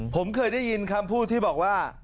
ผมเคยได้ยินคำพูดที่บอกว่า